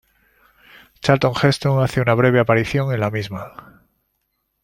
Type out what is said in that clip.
Charlton Heston hace una breve aparición en la misma.